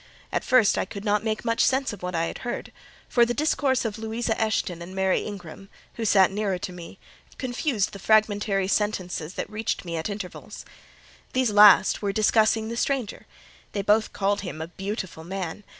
At first I could not make much sense of what I heard; for the discourse of Louisa Eshton and Mary Ingram, who sat nearer to me, confused the fragmentary sentences that reached me at intervals. These last were discussing the stranger; they both called him "a beautiful man."